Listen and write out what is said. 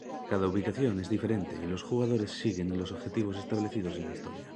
Cada ubicación es diferente y los jugadores siguen los objetivos establecidos en la historia.